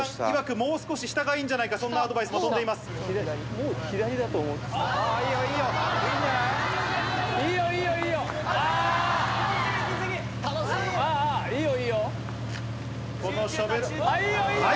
もう少し下がいいんじゃないか、そんなアドバいいよ、いいんじゃない。